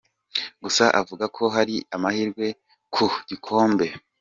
Gusa avuga ko hakiri amahirwe ku gikombe.